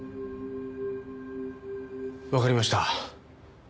わかりました。